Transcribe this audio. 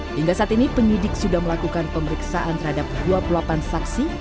hingga saat ini penyidik sudah melakukan pemeriksaan terhadap dua puluh delapan saksi